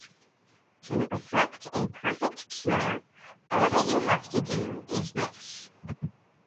To effect a perfect cure all that you have to do is this.